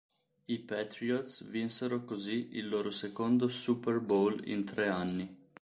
I Patriots vinsero così il loro secondo Super Bowl in tre anni.